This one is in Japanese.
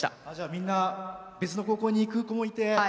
みんな別の高校に行く子もいて。